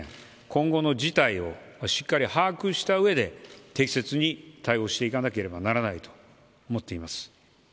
今後の事態をしっかり把握したうえで適切に対応していかなければならないと思っています。